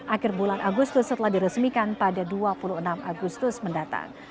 akhir bulan agustus setelah diresmikan pada dua puluh enam agustus mendatang